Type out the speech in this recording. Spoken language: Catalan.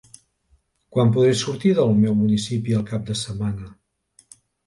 Quan podré sortir del meu municipi el cap de setmana?